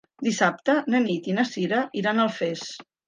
Dissabte na Nit i na Sira iran a Alfés.